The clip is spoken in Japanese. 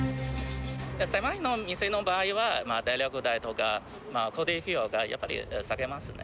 狭い店の場合は、電力代とか、固定費用がやっぱり下がりますね。